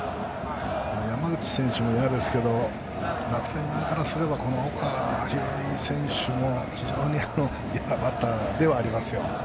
山口選手も嫌ですけど楽天側からすれば、岡大海選手も非常に選手としては嫌なバッターではあります。